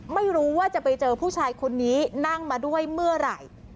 ไม่รู้ว่าจะไปเจอผู้ชายคนนี้นั่งมาด้วยเมื่อไหร่